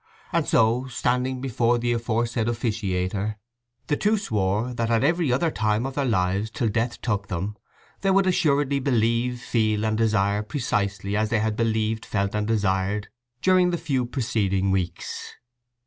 And so, standing before the aforesaid officiator, the two swore that at every other time of their lives till death took them, they would assuredly believe, feel, and desire precisely as they had believed, felt, and desired during the few preceding weeks.